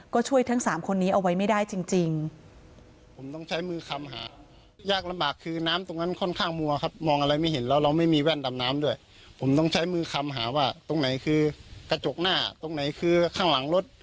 ก็ช่วยทั้ง๓คนนี้เอาไว้ไม่ได้จริง